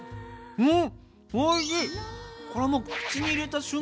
うん？